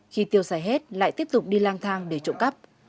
khi tiêu xài hết lại tiếp tục đi lang thang để trộm cắp